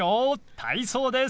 体操です！